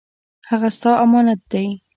هغه ستا امانت دی